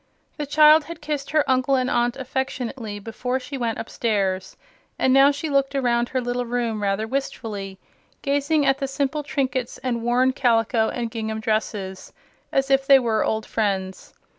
The child had kissed her uncle and aunt affectionately before she went upstairs, and now she looked around her little room rather wistfully, gazing at the simple trinkets and worn calico and gingham dresses, as if they were old friends.